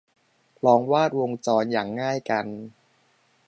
ลองวาดวงจรอย่างง่ายกัน